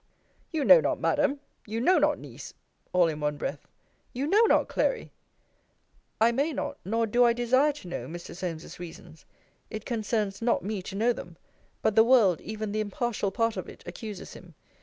You know not, Madam; You know not, Niece; all in one breath. You know not, Clary; I may not, nor do I desire to know Mr. Solmes's reasons. It concerns not me to know them: but the world, even the impartial part of it, accuses him.